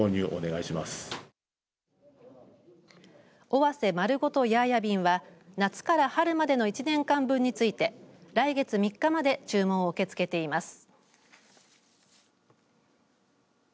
尾鷲まるごとヤーヤ便は夏から春までの１年間分について来月３日まで注文を受け付けています。